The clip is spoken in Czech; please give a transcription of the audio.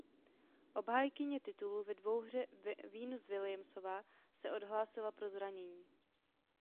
Obhájkyně titulu ve dvouhře Venus Williamsová se odhlásila pro zranění.